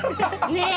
ねえ！